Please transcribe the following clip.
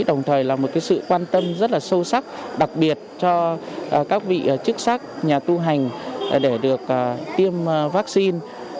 đồng thời là một sự quan tâm rất là sâu sắc đặc biệt cho các vị chức sắc nhà tu hành để được tiêm vaccine